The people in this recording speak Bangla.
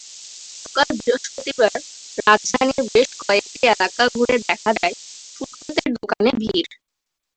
গতকাল বৃহস্পতিবার রাজধানীর বেশ কয়েকটি এলাকা ঘুরে দেখা যায়, ফুটপাতের দোকানে ভিড়।